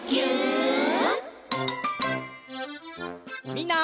みんな。